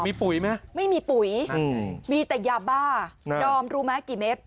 มีปุ๋ยไหมไม่มีปุ๋ยมีแต่ยาบ้าดอมรู้ไหมกี่เม็ด